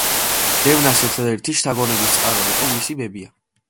დემნას ერთადერთი შთაგონების წყარო იყო მისი ბებია.